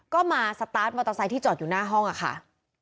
ก็มาสตาร์ทมอเตอร์ไซค์ที่จอดอยู่หน้าห้องค่ะ